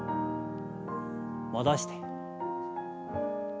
戻して。